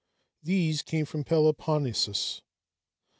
These came from Peloponnesus.